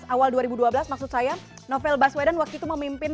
awal dua ribu dua belas maksud saya novel baswedan waktu itu memimpin